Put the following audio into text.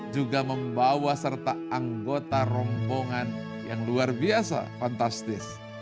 juga membawa serta anggota rombongan yang luar biasa fantastis